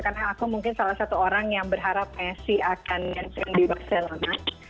karena aku mungkin salah satu orang yang berharap messi akan pensiun di barcelona